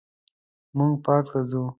موږ پارک ته ځو